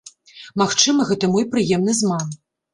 Магчыма, гэта мой прыемны зман.